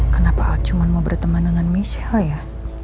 kenapa al cuma mau berteman dengan michelle ya